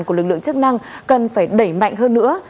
của lực lượng chức năng cần phải đẩy mạnh hơn nữa